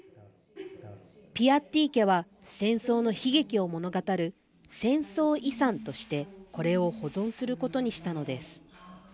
ピアッティ家は戦争の悲劇を物語る戦争遺産として、これを保存することにしたのです。